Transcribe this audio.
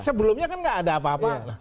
sebelumnya kan nggak ada apa apa